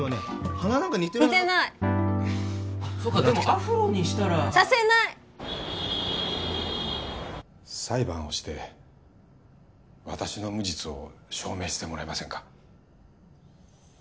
鼻なんか似てる似てない・でもアフロにしたらさせない裁判をして私の無実を証明してもらえませんか？